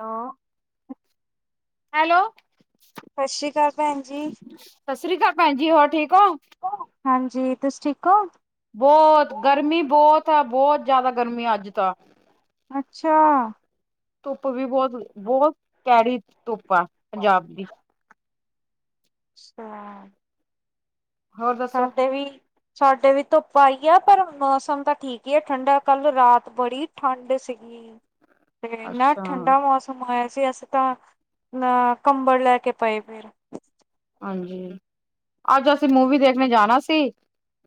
ਨਾਂ। ਹੈਲੋ ਸਸੀ ਕਾਲ ਭੈਣ ਜੀ। ਸਸ੍ਰੀ ਕਾਲ ਭੈਂਜੀ, ਹੋਰ ਠੀਕ ਓ? ਹਾਂਜੀ, ਤੁਸੀ ਠੀਕ ਓ? ਬੋਤ, ਗਰਮੀ ਬੋਤ ਆ ਬੋਤ ਜਾਦਾ ਗਰਮੀ ਆੱਜ ਤਾ। ਅੱਛਾ। ਧੁੱਪ ਵੀ ਬੋਤ, ਬੋਹਤ ਕੈੜੀ ਧੁੱਪ ਆ ਪੰਜਾਬ ਦੀ। ਅੱਛਾ। ਹੋਰ ਦੱਸੋ ਸਾਡੇ ਵੀ ਸਾਡੇ ਵੀ ਧੋੱਪ ਆ ਈ ਆ ਪਰ, ਮੌਸਮ ਤਾਂ ਠੀਕ ਈ ਆ ਠੰਡਾ ਕੱਲ ਰਾਤ ਬੜੀ ਠੰਡ ਸੀਗੀ। ਤੇ ਏਨਾ ਅੱਛਾ ਠੰਡਾ ਮੌਸ ਵੈਸੇ ਅਸ ਤਾਂ, ਮੈ ਕੰਬਲ਼ ਲੈ ਕੇ ਪਏ ਪਈ ਊ। ਹਾਂਜੀ, ਆੱਜ ਅਸੀਂ ਮੂਵੀ ਦੇਖਨੇ ਜਾਨਾ ਸੀ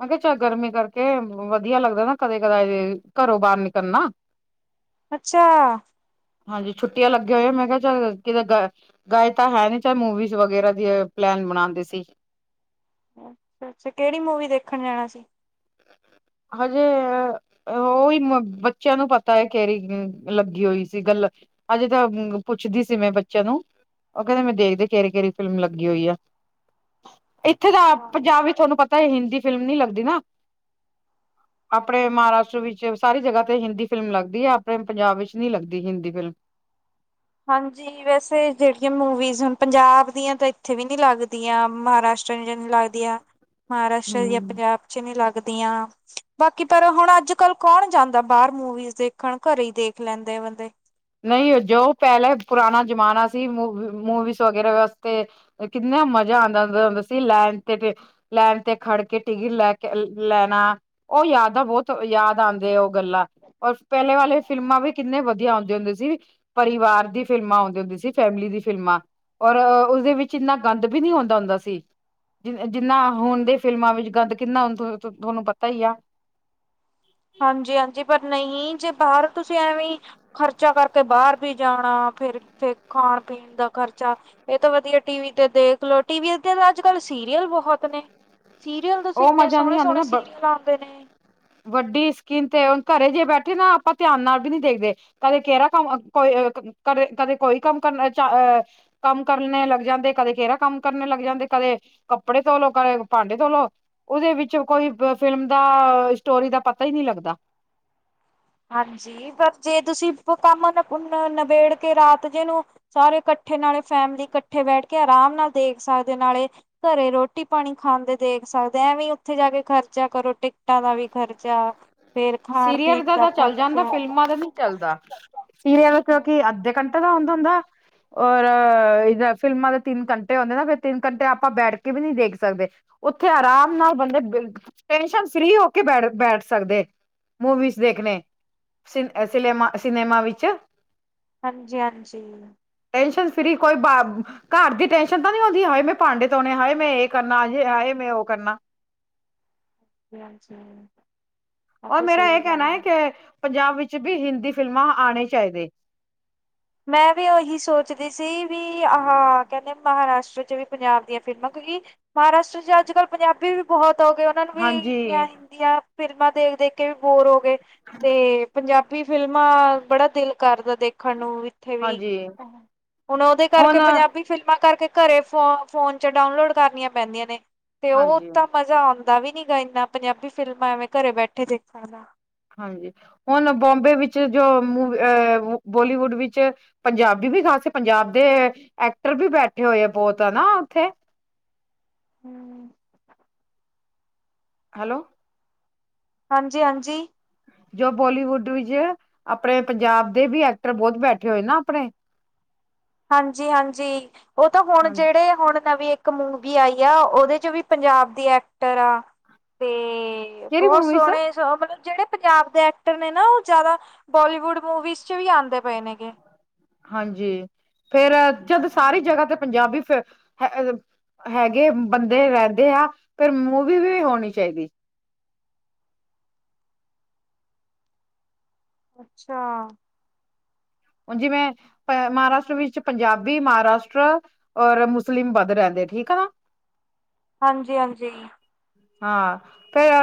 ਮੈਂ ਕੇਆ ਚਲ ਗਰਮੀ ਕਰਕੇ, ਵਦੀਆ ਲੱਗਦਾ ਨਾ ਕਦੇ, ਕਦਾਏ ਜ ਘਰੋਂ ਬਾਰ ਨਿਕਲਨਾ- ਅੱਛਾ। ਹਾਂਜੀ, ਛੁੱਟੀਆਂ ਲੱਗੀਆਂ ਹੋਏਆਂ, ਮੈਂ ਕੇਆ ਚਲ ਕਿਦ ਗ ਗਏ ਤਾਂ ਹੈ ਨੀ ਚਾਲ ਮੂਵੀਜ਼ ਵਗੈਰਾ ਦੀ ਪਲੈਨ ਬਣਾਂਦੇ ਸੀ। ਅੱਛਾ-ਅੱਛਾ, ਕੇੜੀ ਮੂਵੀ ਦੇਖਣ ਜਾਣਾ ਸੀ? ਹਾਜੇ ਓਈ ਅ ਬੱਚੇਆਂ ਨੂੰ ਪਤਾ ਐ ਕੇੜੀ ਅ ਲੱਗੀ ਹੋਈ ਸੀ ਗੱਲ ਅਜੇ ਤਾਂ, ਪੁੱਛਦੀ ਸੀ, ਮੈਂ ਬੱਚਿਆਂ ਨੂੰ ਓ ਕਹਿੰਦੇ ਮੈਂ ਦੇਖਦੇ, ਕਿਹੜੀ-ਕਿਹੜੀ ਫਿਲਮ ਲੱਗੀ ਹੋਈ ਆ। ਇੱਥੇ ਤਾਂ, ਹਾਂ ਪੰਜਾਬ ਵਿੱਚ ਤੁਹਾਨੂੰ ਪਤਾ ਏ, ਹਿੰਦੀ ਫਿਲਮ ਨਹੀਂ ਲੱਗਦੀ ਨਾ। ਆਪਣੇ ਮਹਾਰਾਸ਼ਟਰ ਵਿੱਚ ਸਾਰੀ ਜਗ੍ਹਾ ਤੇ ਹਿੰਦੀ ਫਿਲਮ ਲੱਗਦੀ ਆ, ਆਪਣੇ ਪੰਜਾਬ ਵਿੱਚ ਨਹੀਂ ਲੱਗਦੀ ਹਿੰਦੀ ਫਿਲਮ। ਹਾਂਜੀ। ਵੈਸੇ, ਜਿਹੜੀਆਂ ਮੂਵੀਜ਼ ਹੁਣ ਪੰਜਾਬ ਦੀਆਂ ਤਾਂ ਇੱਥੇ ਵੀ ਨੀ ਲੱਗਦੀਆਂ, ਮਹਾਰਾਸ਼ਟਰੀਅਨ ਈ ਲੱਗ ਦੀਆ, ਮਹਾਰਾਸ਼ਟਰ ਦੀਆਂ ਹਮ ਪੰਜਾਬ'ਚ ਨੀ ਲੱਗਦੀਆਂ। ਬਾਕੀ, ਪਰ ਹੁਣ ਅੱਜ-ਕੱਲ ਕੌਣ ਜਾਂਦਾ ਬਾਹਰ ਮੂਵੀਜ਼ ਦੇਖਣ, ਘਰੇ ਹੀ ਦੇਖ ਲੈਂਦੇ, ਬੰਦੇ। ਨਹੀਂ, ਜੋ ਪਹਿਲੇ ਪੁਰਾਣਾ ਜ਼ਮਾਨਾ ਸੀ, ਮਵ ਮੂਵੀਜ਼ ਵਗੈਰਾ ਵਾਸਤੇ ਕਿੰਨਾ ਮਜ਼ਾ ਆਂਦਾ ਹੁੰਦਾ ਸੀ, ਲੈਣ ਤੇ, ਤੇ ਲੈਣ ਤੇ ਖੜਕੇ ਟਿਕਟ ਲੈਕੇ ਲੈਣਾ, ਉਹ ਯਾਦਾਂ ਬਹੁਤ ਯਾਦ ਆਉਂਦੇ ਓ। ਗੱਲਾ, ਔਰ ਪਹਿਲੇ ਵਾਲੇ ਫਿਲਮਾਂ ਵੀ ਕਿੰਨੇ ਵਧੀਆ ਆਨਦੇ- ਹੁੰਦੇ ਸੀ, ਪਰਿਵਾਰ ਦੀ ਫਿਲਮਾਂ ਆਉਂਦੇ ਹੁੰਦੀ ਸੀ, ਫੈਮਿਲੀ ਦੀ ਫਿਲਮਾਂ। ਔਰ, ਉਸਦੇ ਵਿੱਚ ਇੰਨਾ ਗੰਦ ਵੀ ਨਹੀਂ ਆਉਂਦਾ ਹੁੰਦਾ ਸੀ। ਜਿ ਜਿੰਨਾ ਹੁਣ ਦੇ ਫਿਲਮਾਂ ਵਿੱਚ ਗੰਦ ਕਿੰਨਾ ਹ, ਤੁਹਾਨੂੰ ਪਤਾ ਹੀ ਆ। ਹਾਂਜੀ-ਹਾਂਜੀ, ਪਰ ਨਹੀਂ ਜੇ ਬਾਹਰ ਤੁਸੀਂ ਐਵੇਂ- ਖਰਚਾ ਕਰਕੇ ਬਾਹਰ ਵੀ ਜਾਣਾ, ਫੇਰ, ਫੇਰ ਖਾਣ-ਪੀਣ ਦਾ ਖ਼ਰਚਾ। ਇਹ ਤੋ ਵਧੀਆ ਟੀਵੀ ਤੇ ਦੇਖਲੋ, ਟੀਵੀ ਤੇ ਅੱਜ-ਕੱਲ ਸੀਰੀਅਲ ਬਹੁਤ ਨੇ। ਸੀਰੀਅਲ ਤੁਸੀ, ਉਹ ਇੰਨੇ ਮਜ਼ਾ ਨਹੀਂ ਆਂਦਾ ਸੋਹਣੇ-ਸੋਹਣੇ ਨਾ ਬ- ਸੀਰੀਅਲ ਆਉਂਦੇ ਨੇ। ਵੱਡੀ ਸਕੀਨ ਤੇੁ, ਹੁਣ ਘਰੇ ਜੇ ਬੈਠੇ ਨਾ ਆਪਾਂ ਧਿਆਨ ਨਾਲ ਵੀ ਨਹੀਂ ਦੇਖਦੇ। ਕਦੇ ਕੇਰਾ ਕੰਮ, ਕੋਈ ਕਦੇ, ਕਦੇ ਕੋਈ ਕੰਮ ਕਰਨਾ'ਚ ਅਹ ਕੰਮ ਕਰਨੇ ਲੱਗ ਜਾਂਦੇ, ਕਦੇ ਕੇਹਰਾ ਕੰਮ ਕਰਨੇ ਲੱਗ ਜਾਂਦੇ, ਕਦੇ ਕੱਪੜੇ ਧੋਲੋ, ਕਦੇ ਭਾਂਡੇ ਧੋਲੋ ਉਹਦੇ ਵਿੱਚ ਕੋਈ ਫਿਲਮ ਦਾ, ਸਟੋਰੀ ਦਾ ਪਤਾ ਹੀ ਨਹੀਂ ਲੱਗਦਾ। ਹਾਂਜੀ। ਪਰ, ਜੇ ਤੁਸੀਂ ਕੰਮ ਨਬੇੜ ਕੇ ਰਾਤ ਜੇ ਨੂੰ ਸਾਰੇ ਕੱਠੇ, ਨਾਲੇ ਫੈਮਲੀ ਇਕੱਠੇ ਬੈਠਕੇ, ਆਰਾਮ ਨਾਲ ਦੇਖ ਸਕਦੇ ਨਾਲੇ ਘਰੇ ਰੋਟੀ-ਪਾਣੀ ਖਾਂਦੇ ਦੇਖ ਸਕਦੇ। ਐਵੇਂ ਉੱਥੇ ਜਾਕੇ ਖਰਚਾ ਕਰੋ, ਟਿਕਟਾਂ ਦਾ ਵੀ ਖਰਚਾ ਫੇਰ, ਖਾਣ-ਪੀਣ ਸੀਰੀਅਲ ਦਾ ਤਾਂ ਚੱਲ ਜਾਂਦਾ, ਫਿਲਮਾਂ ਤੇ ਨੀ ਚੱਲਦਾ, ਸੀਰੀਅਲ ਕਿਉਂਕਿ ਅੱਧੇ ਘੰਟੇ ਦਾ ਹੁੰਦਾ-ਹੁੰਦਾ ਔਰ, ਫਿਲਮਾਂ ਦੇ ਤਿੰਨ ਘੰਟੇ ਹੁੰਦੇ ਨਾ, ਫਿਰ ਤਿੰਨ ਘੰਟੇ ਆਪਾਂ ਬੈਠਕੇ ਵੀ ਨਹੀਂ ਦੇਖ ਸਕਦੇ। ਉੱਥੇ ਆਰਾਮ ਨਾਲ ਬੰਦੇ, ਬਿਲ--ਟੈਨਸ਼ਨ ਫ੍ਰੀ ਹੋਕੇ ਬੈਠ, ਬੈਠ ਸਕਦੇ। ਮੂਵੀਜ਼ ਦੇਖਣੇ। ਸਿਲੇਮਾ, ਸਿਨੇਮਾ ਵਿੱਚ। ਹਾਂਜੀ-ਹਾਂਜੀ। ਟੇੰਨਸ਼ਨ ਫ੍ਰੀ ਕੋਈ ਬਾ ਘਰ ਦੀ ਟੇਨਸ਼ਨ ਤਾਂ ਨਹੀਂ ਹੋਂਦੀ, ਹਾਏ, ਮੈਂ ਭਾਂਡੇ ਤੋਣੇ, ਹਾਏ ਮੈਂ ਇਹ ਕਰਨਾ, ਹਾਏ ਮੈਂ ਉਹ ਕਰਨਾ। ਹਾਂਜੀ। ਆ ਔਰ ਤਾਂ ਮੇਰਾ ਇਹ ਸਹੀ ਕਹਿਣਾ ਗੱਲ ਆ ਹੈ ਕਿ, ਪੰਜਾਬ ਵਿੱਚ ਵੀ ਹਿੰਦੀ ਫਿਲਮਾਂ ਆਣੇ ਚਾਹੀਦੇ। ''ਮੈਂ ਵੀ ਉਹੀ ਸੋਚਦੀ ਸੀ, ਵੀ ਆਹ ਕਹਿੰਦੇ ਮਹਾਰਾਸ਼ਟਰ'ਚ ਵੀ ਪੰਜਾਬ ਦੀਆਂ ਫਿਲਮਾਂ ਕਿਉਂਕਿ ਮਹਾਰਾਸ਼ਟਰ'ਚ ਅੱਜ-ਕੱਲ ਪੰਜਾਬੀ ਵੀ ਬਹੁਤ ਹੋਗੇ, ਉਹਨਾਂ ਨੂੰ ਵੀ- ਹਾਂਜੀ ਦੀਆਂ ਫ਼ਿਲਮਾਂ ਦੇਖ-ਦੇਖਕੇ ਵੀ ਬੋਰ ਹੋ ਗਏ। ਤੇ, ਪੰਜਾਬੀ ਫਿਲਮਾਂ ਬੜਾ ਦਿਲ ਕਰਦਾ ਦੇਖਣ ਨੂੰ, ਵੀ ਉੱਥੇ ਵੀ, ਹਾਂਜੀ ਹੁਣ ਉਹਦੇ ਕਰਕੇ, ਹੁਣ ਪੰਜਾਬੀ ਫਿਲਮਾਂ ਕਰਕੇ ਘਰੇ ਫੋ ਫੋਨ'ਚ ਡਾਊਨਲੋਡ ਕਰਨੀਆਂ ਪੈਂਦੀਆਂ ਨੇ, ਤੇ ਉਹ ਹਾਂਜੀ ਤਾਂ ਮਜ਼ਾ ਆਂਦ ਦਾ ਵੀ ਨੀਗਾ, ਇੰਨਾ ਪੰਜਾਬੀ ਫਿਲਮਾਂ ਐਵੇਂ ਘਰੇ ਬੈਠੇ ਦੇਖਾ ਨਾ ਹਾਂਜੀ, ਹੁਣ ਬੌਂਬੇ ਵਿੱਚ, ਜੋ ਅ ਬੋਲੀਵੁੱਡ ਵਿੱਚ ਪੰਜਾਬੀ ਵੀ ਖਾਸੇ ਪੰਜਾਬ ਦੇ ਐਕਟਰ ਵੀ ਬੈਠੇ ਹੋਏ ਆ, ਬਹੁਤ ਹਨਾ, ਉੱਥੇ। ਹੂੰ ਹੈਲੋ! ਹਾਂਜੀ-ਹਾਂਜੀ। ਜੋ ਬੋਲੀਵੁੱਡ ਵਿੱਚ, ਆਪਣੇ ਪੰਜਾਬ ਦੇ ਵੀ ਐਕਟਰ ਬਹੁਤ ਬੈਠੇ ਹੋਏ ਨਾ, ਆਪਣੇ। ਹਾਂਜੀ-ਹਾਂਜੀ, ਉਹ ਤਾਂ ਹੁਣ ਹਾਂਜੀ ਜਿਹੜੇ, ਹੁਣ ਨਵੇ ਇੱਕ ਮੂਵੀ ਆਈ ਆ, ਉਹਦੇ ਚ ਵੀ ਪੰਜਾਬ ਦੀ ਐਕਟਰ ਆ ਤੇ। ਕਿਹੜੀ ਬਹੁਤ ਮੂਵੀ ਸਰ ਸੋਹਣੇ। ਮਤਲਬ ਜਿਹੜੇ ਪੰਜਾਬ ਦੇ ਐਕਟਰ ਨੇ ਨਾ ਉਹ ਜ਼ਿਆਦਾ ਬੋਲੀਵੁੱਡ ਮੂਵੀਜ਼ ਚ ਵੀ ਆਉਂਦੇ ਪਏ ਨੇ ਗੇ। ਹਾਂਜੀ, ਫੇਰ ਜਦ ਹਾਂ ਸਾਰੀ ਜਗ੍ਹਾ ਤੇ ਪੰਜਾਬੀ ਫਿਲਮ। ਹੈਗੇ ਬੰਦੇ ਰਹਿੰਦੇ ਆ। ਫਿਰ ਮੂਵੀ ਵੀ ਹੋਣੀ ਚਾਹੀਦੀ। ਅੱਛਾ। ਹੁਣ ਜਿਵੇਂ ਮਹਾਰਾਸ਼ਟਰ ਵਿੱਚ ਪੰਜਾਬੀ, ਮਹਾਰਾਸ਼ਟਰ। ਔਰ ਮੁਸਲਿਮ ਵੱਧ ਰਹਿੰਦੇ। ਠੀਕ ਆ ਹਾਂਜੀ ਹਾਂਜੀ। ਹਾਂ, ਫੇਰ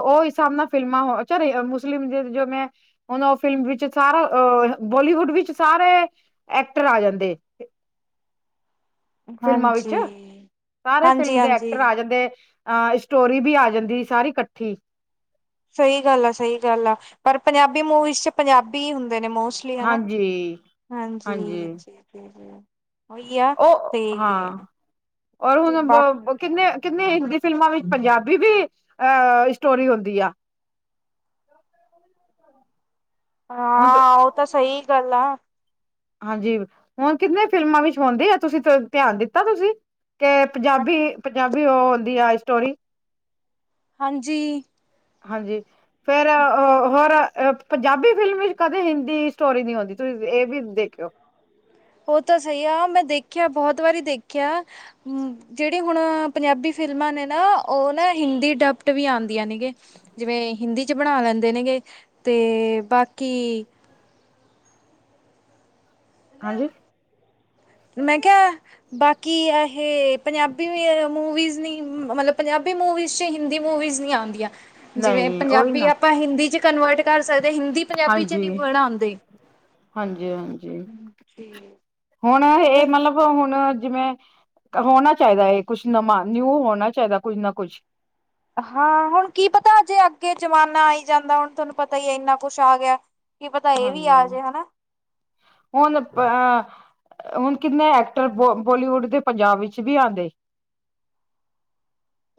ਉਹ ਹਿਸਾਬ ਨਾਲ ਫ਼ਿਲਮਾਂ ਹੋ ਚ ਮੁਸਲਿਮ ਜ ਜੋ ਮੈਂ। ਹੁਣ ਉਹ ਫਿਲਮ ਵਿੱਚ ਸਾਰਾ ਅਹ ਬੋਲੀਵੁੱਡ ਵਿੱਚ ਸਾਰੇ ਐਕਟਰ ਆ ਜਾਂਦੇ। ਫਿਲਮਾਂ ਵਿੱਚ ਹਾਂਜੀ ਸਾਰੇ ਫਿਲਮ ਦੇ ਹਾਂਜੀ-ਹਾਂਜੀ ਐਕਟਰ ਆ ਜਾਂਦੇ। ਅ ਸਟੋਰੀ ਵੀ ਆ ਜਾਂਦੀ ਸਾਰੀ ਇਕੱਠੀ। ਸਹੀ ਗੱਲ ਆ ਸਹੀ ਗੱਲ ਆ ਪਰ ਪੰਜਾਬੀ ਮੂਵੀਜ਼ ਚ ਪੰਜਾਬੀ ਹੀ ਹੁੰਦੇ ਨੇ ਮੋਸਟ। ਇਹ ਆ ਨਾ ਹਾਂਜੀ ਹਾਂਜੀ ਹਾਂਜੀ ਠੀਕ ਹੈ। ਉਹ ਹਾਂ ਔਰ ਤੇ ਬਾ ਹੁਣ। ਕਿੰਨੇ ਕਿੰਨੇ ਹਿੰਦੀ ਫਿਲਮਾਂ ਵਿੱਚ ਪੰਜਾਬੀ ਵੀ ਅਹ ਸਟੋਰੀ ਹੁੰਦੀ ਆ। ਹਮ। ਹਾਂ, ਆ ਉਹ ਤਾਂ ਸਹੀ ਗੱਲ ਆ। ਹਾਂਜੀ ਹੁਣ ਕਿੰਨੇ ਫਿਲਮਾਂ ਵਿੱਚ ਹੁੰਦੀ ਆ? ਤੁਸੀਂ ਧਿਆਨ ਦਿੱਤਾ ਤੁਸੀਂ? ਤੇ ਪੰਜਾਬੀ ਪੰਜਾਬੀ ਉਹ ਹੁੰਦੀ ਆ ਸਟੋਰੀ। ਹਾਂਜੀ। ਹਾਂਜੀ ਫੇਰ। ਕੀ ਅ ਹੋਰ ਪੰਜਾਬੀ ਫਿਲਮ ਵਿੱਚ ਕਦੇ ਹਿੰਦੀ ਸਟੋਰੀ ਨਹੀ ਹੁੰਦੀ ਤੁਸੀਂ ਇਹ ਵੀ ਦੇਖਿਓ। ਉਹ ਤਾਂ ਸਹੀ ਆ। ਮੈਂ ਦੇਖਿਆ ਬਹੁਤ ਵਾਰੀ ਦੇਖਿਆ। ਜਿਹੜੀ ਹੁਣ ਪੰਜਾਬੀ ਫਿਲਮਾਂ ਨੇ ਨਾ ਉਹ ਨਾ ਹਿੰਦੀ ਡੱਬ। ਵੀ ਆਉਂਦੀਆਂ ਨੇ ਗ ਜਿਵੇਂ ਹਿੰਦੀ ਚ ਬਣਾ ਲੈਂਦੇ ਨੇ ਗੇ ਤੇ ਬਾਕੀ। ਹਾਂਜੀ। ਮੈਂ ਕਿਹਾ ਬਾਕੀ ਹੈ। ਇਹ ਪੰਜਾਬੀ ਮੂਵੀਜ਼ ਨ, ਮਤਲਬ ਪੰਜਾਬੀ ਮੂਵੀਜ਼ ਚ ਹੀ। ਹਿੰਦੀ ਮੂਵੀਜ ਨਹੀ ਆਉਂਦੀਆਂ। ਜਿਵੇਂ ਨਹੀਂ ਉਹੀ ਪੰਜਾਬੀ ਨਾ ਆਪਾਂ ਹਿੰਦੀ ਚ ਕਨਵਰਟ ਕਰ ਸਕਦੇ ਹਿੰਦੀ। ਪੰਜਾਬੀ 'ਚ ਨਹੀਂ ਹਾਂਜੀ, ਬਣਾਉਂਦੇ ਹਾਂਜੀ, ਹਾਂਜੀ। ਜੀ ਹੁਣ ਹੋਰ ਇਹ ਮਤਲਬ। ਹੁਣ ਜਿਵੇਂ ਹੋਣਾ ਚਾਹੀਦਾ ਕੁਛ ਨਵਾਂ ਨਿਊ ਹੋਣਾ ਚਾਹੀਦਾ ਕੁੱਝ ਨਾ ਕੁੱਛ। ਹਾਂ ਹੁਣ ਕੀ ਪਤਾ ਅਜੇ ਅੱਗੇ ਜ਼ਮਾਨਾ ਆਈ ਜਾਂਦਾ ਹੁਣ ਤੁਹਾਨੂੰ ਪਤਾ ਹੀ ਇੰਨਾ ਕੁੱਛ ਆ ਗਿਆ। ਕੀ ਪਤਾ ਇਹ ਵੀ ਹਾਂਜੀ ਆ ਜੇ ਹਨਾ। ਹੁਣ। ਹੁਣ ਕਿੰਨੇ ਐਕਟਰ ਬੋ ਬੋਲੀਵੁੱਡ ਦੇ ਪੰਜਾਬ ਵਿੱਚ ਵੀ ਆਉਂਦੇ।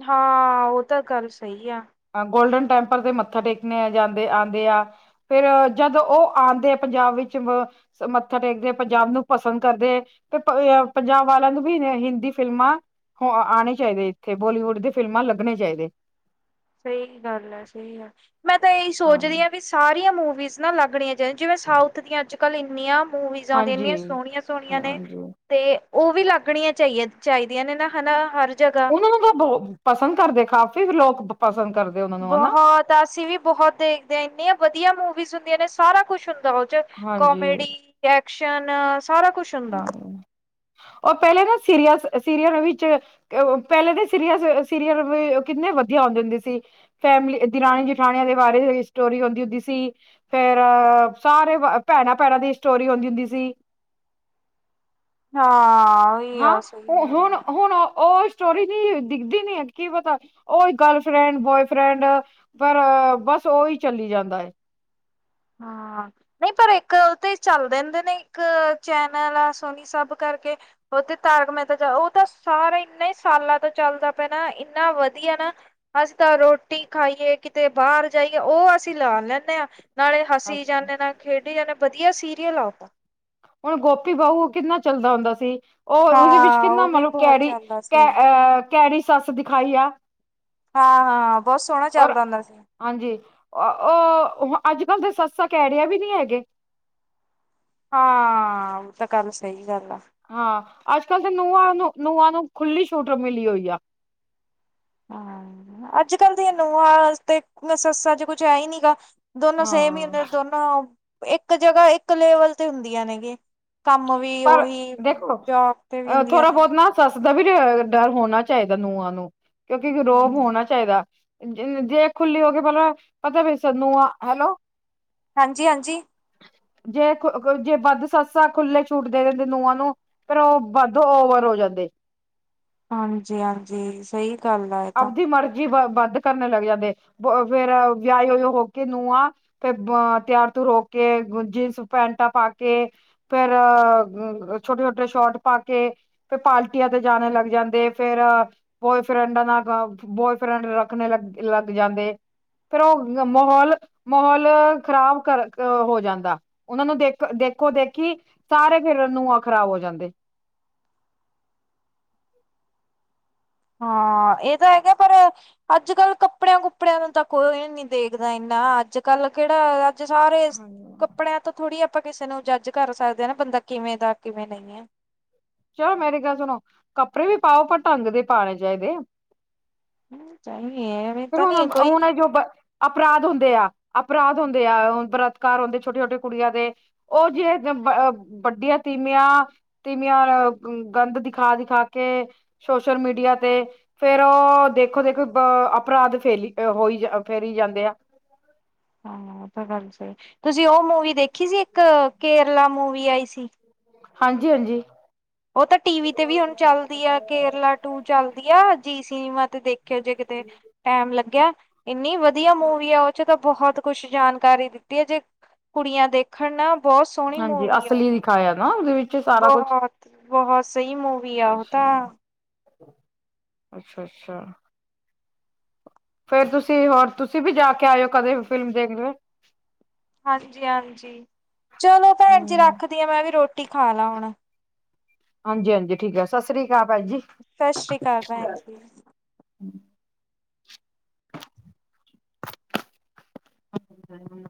ਹਾਂ, ਉਹ ਤਾਂ ਗੱਲ ਸਹੀ ਆ। ਗੋਲਡਨ ਟੈਂਪਲ ਤੇ ਮੱਥਾ ਟੇਕਣੇ ਜਾਂਦੇ ਆਉਂਦੇ ਆ। ਫਿਰ ਜਦ ਉਹ ਆਉਂਦੇ ਆ ਪੰਜਾਬ ਵਿੱਚ। ਮੱਥਾ ਟੇਕਦੇ ਪੰਜਾਬ ਨੂੰ ਪਸੰਦ ਕਰਦੇ। ਤੇ ਪੰਜਾਬ ਵਾਲਿਆਂ ਨੂੰ ਵੀ ਹਿੰਦੀ ਫਿਲਮਾਂ। ਆਉਣੇ ਚਾਹੀਦੇ ਇੱਥੇ ਬੋਲੀਵੁੱਡ ਦੇ ਫਿਲਮਾਂ ਲੱਗਣੇ ਚਾਹੀਦੇ। ਸਹੀ ਗੱਲ ਹੈ ਸਹੀ ਹੈ ਮੈਂ ਤਾਂ ਇਹੀ ਸੋਚਦੀ ਹਾਂ ਵੀ ਸਾਰੀਆਂ ਮੂਵੀਜ਼ ਨਾ ਲੱਗਣੀਆਂ। ਜਿਵੇਂ ਸਾਊਥ ਦੀਆਂ ਅੱਜ ਕੱਲ੍ਹ ਇੰਨੀਆਂ ਮੂਵੀਜ਼ ਆ ਹਾਂਜੀ ਇੰਨੀਆਂ ਸੋਹਣੀਆਂ ਸੋਹਣੀਆਂ ਨੇ। ਹਾਂਜੀ ਤੇ ਉਹ ਵੀ ਲੱਗਣੀਆਂ ਚਾਹੀ ਚਾਹੀਦੀਆਂ ਨੇ ਨਾ ਹਨਾ ਹਰ। ਜਗ੍ਹਾ। ਉਹਨਾਂ ਨੂੰ ਤਾਂ ਬਹੁ ਪਸੰਦ ਕਰਦੇ ਕਾਫੀ ਲੋਕ ਪਸੰਦ ਕਰਦੇ ਉਹਨਾਂ ਨੂੰ ਹਨਾ। ਤਾਂ ਅਸੀਂ ਵੀ ਬਹੁਤ ਦੇਖਦੇ ਹਾਂ ਇੰਨੀਆਂ ਵਧੀਆ ਮੂਵੀਜ਼ ਹੁੰਦੀਆਂ ਨੇ ਸਾਰਾ ਕੁਛ ਹੁੰਦਾ। ਉਹਦੇ ਵਿੱਚ ਹਾਂਜੀ ਕੋਮੇਡੀ ਐਕਸ਼ਨ ਸਾਰਾ ਕੁਛ ਹੁੰਦਾ। ਹਮ ਉਹ ਪਹਿਲੇ ਨਾ ਸੀਰੀਅਲ - ਸੀਰੀਅਲ ਵਿੱਚ ਪਹਿਲੇ ਦੇ ਸੀਰੀਅਲ - ਸੀਰੀਅਲ ਵੀ ਕਿੰਨੇ ਵਧੀਆ ਆਉਂਦੇ ਹੁੰਦੇ ਸੀ। ਫੈਮਿਲੀ ਦੀ ਰਾਣੀ ਜਠਾਣੀਆਂ ਦੇ ਬਾਰੇ ਸਟੋਰੀ ਹੁੰਦੀ - ਹੁੰਦੀ ਸੀ। ਫੇਰ ਸਾਰੇ ਭੈਣਾਂ - ਭੈਣਾਂ ਦੀ ਸਟੋਰੀ ਹੁੰਦੀ - ਹੁੰਦੀ ਸੀ। ਹਾਂ। ਉਹੀ ਹਾਂ। ਆ ਸਹੀ ਉਹ ਗੱਲ ਆ ਹੁਣ - ਹੁਣ ਉਹ ਸਟੋਰੀ ਨੀ ਦਿਖਦੀ ਨੀ ਹੈ ਕੀ ਪਤਾ ਉਹ ਗਰਲਫਰੈਂਡ, ਬੋਆਏਫਰੈਂਡ ਪਰ ਬਸ ਉਹੀ ਚੱਲੀ ਜਾਂਦਾ ਹੈ। ਹਾਂ। ਨਹੀਂ ਪਰ ਇੱਕ ਉਹ ਤੇ ਚੱਲ ਦੇਦੇ ਨੇ ਇੱਕ ਚੈਨਲ ਆ ਸੋਨੀ ਸਭ ਕਰਕੇ ਉਹ ਤੇ ਤਾਰਕ ਮੇਹਤਾ ਉਹ ਤਾਂ ਸਾਰਾ ਇੰਨਾ ਹੀ ਸਾਲਾਂ ਤੋਂ ਚੱਲਦਾ ਪਿਆਣਾ ਇੰਨਾ ਵਧੀਆ ਨਾ ਅਸੀਂ ਤਾਂ ਰੋਟੀ ਖਾਈਏ ਕਿਤੇ ਬਾਹਰ ਜਾਈਏ ਉਹ ਅਸੀਂ ਲਾ ਲੈਂਦੇ ਹਾਂ ਨਾਲੇ ਹਸੀ ਅੱਛਾ ਜਾਂਦੇ ਨਾਲ ਖੇਡੀ ਜਾਂਦੇ ਵਧੀਆ ਸੀਰੀਅਲ ਆ। ਹੁਣ ਗੋਪੀ ਬਾਹੂ ਕਿੰਨਾ ਚੱਲਦਾ ਹੁੰਦਾ ਸੀ। ਉਹ ਉਹਦੇ ਵਿੱਚ ਹਾਂ ਕਿੰਨਾ ਉਹ ਵੀ ਮਤਲਬ ਬਹੁਤ ਕੈਰੀ ਚੱਲਦਾ ਕ ਸੀ ਅਹ ਕੈਰੀ ਸੱਸ ਦਿਖਾਈ ਆ। ਹਾਂ - ਹਾਂ ਬਹੁਤ ਸੋਹਣਾ ਔਰ ਚੱਲਦਾ ਹੁੰਦਾ ਸੀ। ਹਾਂਜੀ। ਉਹ ਅੱਜ ਕੱਲ ਤਾਂ ਸੱਸਾਂ ਕਹਿ ਰਿਆ ਵੀ ਨਹੀਂ ਹੈਗੇ। ਹਾਂ। ਉਹ ਤਾਂ ਗੱਲ ਸਹੀ ਗੱਲ ਆ। ਹਾਂ। ਅੱਜ ਕੱਲ ਤਾਂ ਨੂੰਹਾਂ ਨੂੰ ਨੂੰਹਾਂ ਨੂੰ ਖੁੱਲੀ ਸ਼ੂਟਰ ਮਿਲੀ ਹੋਈ ਆ। ਹਮ ਅੱਜ ਕੱਲ ਦੀਆਂ ਨੂੰਹਾਂ ਤੇ ਸੱਸਾ ਜੇ ਕੁਛ ਹੈ ਹੀ ਨੀ ਗਾ। ਦੋਨੋ ਸੇਮ ਹੀ ਹੁੰਦੇ ਹਾਂ ਦੋਨੋ ਇੱਕ ਜਗ੍ਹਾ ਇੱਕ ਲੇਵਲ ਤੇ ਹੁੰਦੀਆਂ ਨੇ ਗਏ ਕੰਮ ਵੀ ਪਰ ਉਹੀ ਦੇਖੋ ਜੋਬ ਤੇ ਵੀ ਹੁੰਦੀਆਂ ਥੋੜਾ ਬਹੁਤ ਨੇ। ਨਾ ਸੱਸ ਦਾ ਵੀ ਡਰ ਹੋਣਾ ਚਾਹੀਦਾ ਨ ਨੂੰਹਾਂ ਨੂੰ ਕਿਉਂਕਿ ਰੋਬ ਹੋਣਾ ਚਾਹੀਦਾ ਜੇ ਖੁੱਲੀ ਹੋਗੇ ਪਹਿਲਾਂ ਪਤਾ ਵੀ ਸਾਨੂੰ ਹੈਲੋ ਹਾਂਜੀ - ਹਾਂਜੀ। ਜੇ ਜੇ ਵੱਧ ਸੱਸ ਸੱਸ ਖੁੱਲੇ ਛੂਟ ਦੇਵੈ ਨੂਹਾਂ ਨੂੰ ਫੇਰ ਉਹ ਵੱਧ ਓਵਰ ਹੋ ਜਾਂਦੇ। ਹਾਂਜੀ - ਹਾਂਜੀ ਸਹੀ। ਗੱਲ ਆ ਇਹ ਤਾਂ ਆਪਦੀ ਮਰਜ਼ੀ ਬ ਬੰਦ ਕਰਨ ਲੱਗ ਜਾਂਦੇ ਫੇਰ ਵਿਆਹੇ ਹੋ ਹੋ ਕੇ ਨ ਨੂੰਹਾਂ ਫੇਰ ਤਿਆਰ ਤੀਓਰ ਹੋਕੇ ਜੀਨਸ ਪੈਂਟਾਂ ਪਾ ਕੇ ਫੇਰ ਛੋਟੇ ਛੋਟੇ ਸ਼ੋਟ ਪਾ ਕੇ ਫਿਰ ਪਾਰਟੀਆਂ ਤੇ ਜਾਣੇ ਲੱਗ ਜਾਂਦੇ ਫੇਰ ਬੋਏਫਰੈਂਡਾਂ ਨਾਲ ਬੋਏਫਰੈਂਡ ਰੱਖਣੇ ਲੱਗ ਜਾਂਦੇ। ਫਿਰ ਉਹ ਮਾਹੌਲ - ਮਾਹੌਲ ਖ਼ਰਾਬ ਕਰ ਹੋ ਜਾਂਦਾ। ਉਹਨਾਂ ਨੂੰ ਦੇਖ ਦੇਖੋ ਦੇਖੀ ਸਾਰੇ ਫਿਰ ਨੂੰਹ ਖਰਾਬ ਹੋ ਜਾਂਦੇ ਹਾਂ। ਇਹ ਤਾਂ ਹੈਗਾ ਪਰ ਅੱਜ ਕੱਲ ਕੱਪੜਿਆਂ ਕੁੱਪੜਿਆਂ ਨੂੰ ਤਾਂ ਕੋਈ ਨੀ ਦੇਖਦਾ ਇੰਨਾ ਅੱਜ ਕੱਲ ਕਿਹੜਾ ਅੱਜ ਸਾਰੇ ਇਸ ਹਾਂਜੀ ਕੱਪੜਿਆਂ ਤੋਂ ਥੋੜ੍ਹੀ ਆਪਾਂ ਕਿਸੇ ਨੂੰ ਜੱਜ ਕਰ ਸਕਦੇ ਹਾਂ ਨਾ ਬੰਦਾ ਕਿਵੇਂ ਦਾ ਕਿਵੇਂ ਨਹੀਂ ਹੈ ਚੱਲ ਮੇਰੀ ਗੱਲ ਸੁਣੋ ਕੱਪੜੇ ਵੀ ਪਾਓ ਪਰ ਢੰਗ ਦੇ ਪਾਉਣੇ ਚਾਹੀਦੇ ਆ। ਚਾਹੀਏ ਐਵੇਂ ਫਿਰ ਤਾਂ ਨੀ ਹੁਣ ਕੋਈ ਹੁਣ ਜੋ ਅਪਰਾਧ ਹੁੰਦੇ ਆ ਅਪਰਾਧ ਹੁੰਦੇ ਆ ਬਲਾਤਕਾਰ ਹੁੰਦੇ ਆ ਛੋਟੇ ਛੋਟੇ ਕੁੜੀਆਂ ਦੇ ਉਹ ਜੇ ਵੱਡੀਆਂ ਤੀਮੀਆਂ ਗੰਦ ਦਿਖਾ ਦਿਖਾ ਕੇ ਸੋਸ਼ਲ ਮੀਡੀਆ ਤੇ ਫੇਰ ਉਹ ਦੇਖੋ ਦੇਖੋ ਅ ਅਪਰਾਧ ਫੇਲੀ ਹੋਈ ਫੇਰੀ ਜਾਂਦੇ ਆ। ਹਾਂ। ਉਹ ਤਾਂ ਗੱਲ ਸਹੀ ਤੁਸੀਂ ਉਹ ਮੂਵੀ ਦੇਖੀ ਸੀ ਇੱਕ ਕੇਰਲਾ ਮੂਵੀ ਆਈ ਸੀ। ਹਾਂਜੀ - ਹਾਂਜੀ। ਉਹ ਤਾਂ ਟੀ ਵੀ ਤੇ ਵੀ ਹੁਣ ਚੱਲਦੀ ਆ ਕੇਰਲਾ ਟੂ ਚੱਲਦੀ ਆ ਜੀ ਸਿਨਮਾ ਤੇ ਦੇਖੇ ਜੇ ਕਿਤੇ ਟੈਮ ਲੱਗਿਆ। ਇੰਨੀ ਵਧੀਆ ਮੂਵੀ ਆ ਉਹ ਚ ਤਾਂ ਬਹੁਤ ਕੁਛ ਜਾਣਕਾਰੀ ਦਿੱਤੀ ਹੈ ਜੇ ਕੁੜੀਆਂ ਦੇਖ ਖੰਨਾ ਬਹੁਤ ਸੋਹਣੀ ਮੂਵੀ ਆ ਉਹ ਆਇਆ ਨਾ ਉਹਦੇ ਵਿੱਚ ਸਾਰਾ ਕੁਛ ਬਹੁਤ- ਬਹੁਤ ਸਹੀ ਮੂਵੀ ਆ ਉਹ ਤਾ ਅੱਛਾ ਅੱਛਾ- ਅੱਛਾ ਫੇਰ ਤੁਸੀਂ ਹੋਰ ਤੁਸੀਂ ਵੀ ਜਾ ਕੇ ਆਇਓ ਕਦੇ ਵੀ ਫਿਲਮ ਦੇਖ ਲਓ। ਹਾਂਜੀ- ਹਾਂਜੀ ਚਲੋ ਭੈਣ ਜੀ ਹਮ ਰੱਖਦੀ ਹਾ ਮੈਂ ਵੀ ਰੋਟੀ ਖਾ ਲਾਂ ਹੁਣ ਹਾਂਜੀ- ਹਾਂਜੀ ਠੀਕ ਸਤਿ ਸ਼੍ਰੀ ਆਕਾਲ ਭੈਣ ਜੀ। ਸਤਿ ਸ੍ਰੀ ਅਕਾਲ ਭੈਣ ਜੀ। [inaudible]